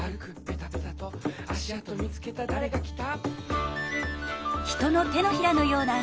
「あしあとみつけただれがきた？」